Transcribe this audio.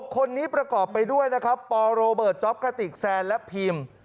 คนนี้ประกอบไปด้วยนะครับปโรเบิร์ตจ๊อปกระติกแซนและพีม